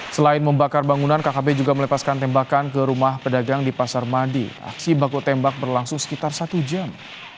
selain membakar bangunan kkb juga melepaskan tembakan ke rumah pedagang di pasar madi aksi baku tembak berlangsung sekitar satu jam